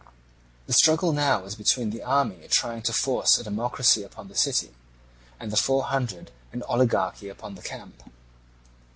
The struggle now was between the army trying to force a democracy upon the city, and the Four Hundred an oligarchy upon the camp.